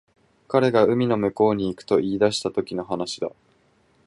彼が海の向こうに行くと言い出したときの話だ